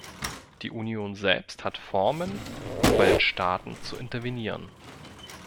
Die Union selbst hat Formen, um bei den Staaten zu intervenieren.